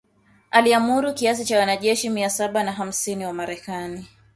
aliamuru kiasi cha wanajeshi mia saba na hamsini wa Marekani